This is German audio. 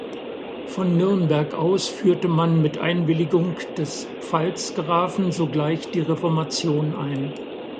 Von Nürnberg aus führte man mit Einwilligung des Pfalzgrafen sogleich die Reformation ein.